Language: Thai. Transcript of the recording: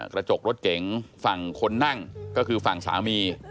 กระจกรถเก๋งฝั่งคนนั่งก็คือฝั่งสามี